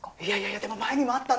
でも前にもあったんだよ。